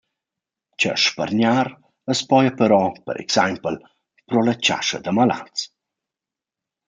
Cha spargnar as possa però p. ex. pro la chascha d’amalats.